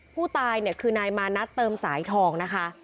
ผู้ตายเนี่ยคือนายมานัดเติมสายทองนะคะ